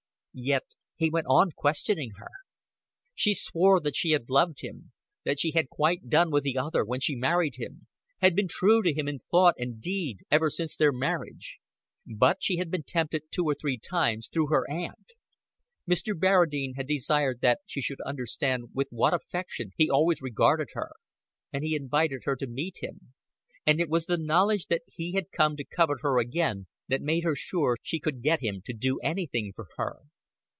Yet he went on questioning her. She swore that she had loved him, that she had quite done with the other when she married him, had been true to him in thought and deed ever since their marriage. But she had been tempted two or three times, through her aunt. Mr. Barradine had desired that she should understand with what affection he always regarded her, and he invited her to meet him; and it was the knowledge that he had come to covet her again that made her sure she could get him to do anything for her.